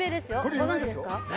ご存じですか？